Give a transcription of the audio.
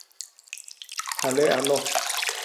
Hale a lo.